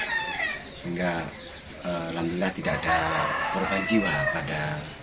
sehingga alhamdulillah tidak ada korban jiwa pada